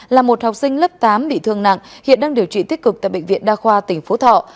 là một học sinh lớp tám bị thương nặng hiện đang điều trị tích cực tại bệnh viện đa khoa tỉnh phú thọ